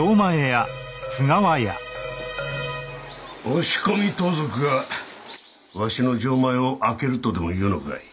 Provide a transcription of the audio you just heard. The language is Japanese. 押し込み盗賊がわしの錠前を開けるとでも言うのかい？